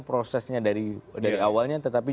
prosesnya dari awalnya tetapi